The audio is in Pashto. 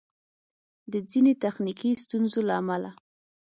د ځیني تخنیکي ستونزو له امله